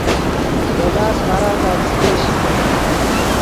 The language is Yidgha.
دے لاست فارا تا چے تیش